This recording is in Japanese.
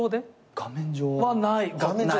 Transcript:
画面上ない。